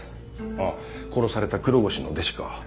あぁ殺された黒越の弟子か。